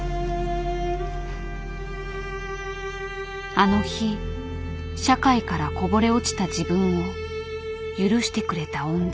あの日社会からこぼれ落ちた自分を許してくれた恩人。